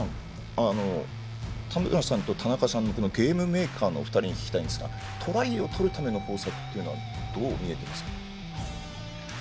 田村さんと田中さんのゲームメーカーのお二人に聞きたいんですが、トライを取るための構成はどう見えていますか？